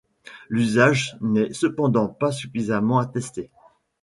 L’usage n’est cependant pas suffisamment attesté.